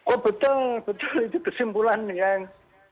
oh betul betul itu kesimpulan yang